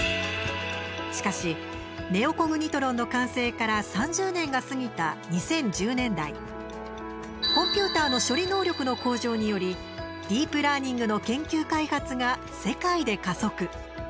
しかしネオコグニトロンの完成から３０年が過ぎた２０１０年代コンピュータの処理能力の向上によりディープラーニングの研究開発が世界で加速。